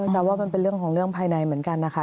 แต่ว่ามันเป็นเรื่องของเรื่องภายในเหมือนกันนะคะ